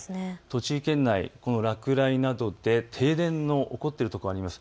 栃木県内、落雷などで停電の起こっているところもあります。